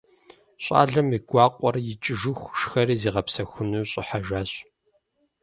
Щӏалэм и гуакъуэр икӏыху шхэри зигъэпсэхуну щӏыхьэжащ.